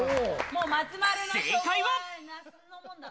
正解は。